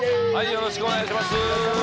よろしくお願いします。